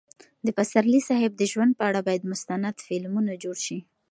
د پسرلي صاحب د ژوند په اړه باید مستند فلمونه جوړ شي.